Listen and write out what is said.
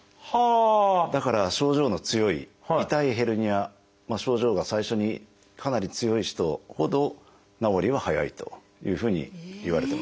だから症状の強い痛いヘルニア症状が最初にかなり強い人ほど治りは早いというふうにいわれてます。